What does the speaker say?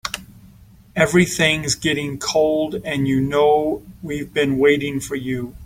Everything's getting cold and you know we've been waiting for you.